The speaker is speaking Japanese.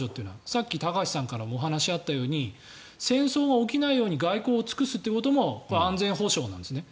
さっき高橋さんからもお話があったように戦争が起きないように外交を尽くすということも安全保障なんですね。